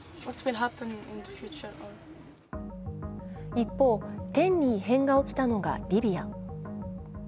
一方、天に異変が起きたのがリビア。